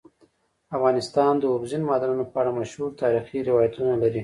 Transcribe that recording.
افغانستان د اوبزین معدنونه په اړه مشهور تاریخی روایتونه لري.